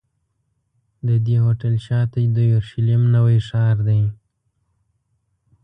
د دې هوټل شاته د یورشلېم نوی ښار دی.